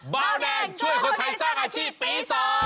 เบาแดงช่วยคนไทยสร้างอาชีพปี๒